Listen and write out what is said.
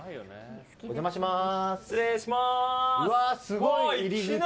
お邪魔します。